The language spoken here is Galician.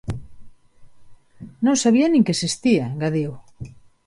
"Non sabía nin que existía", engadiu.